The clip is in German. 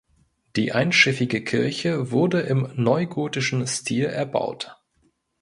Die einschiffige Kirche wurde im neugotischen Stil erbaut.